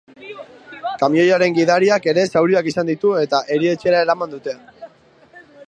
Kamioiaren gidariak ere zauriak izan ditu eta erietxera eraman dute.